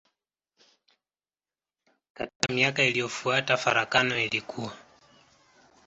Katika miaka iliyofuata farakano ilikua.